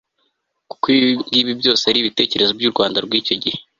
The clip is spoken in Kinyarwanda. kuko ibingibi byose ari ibitekerezo by'u rwanda rw'icyo gihe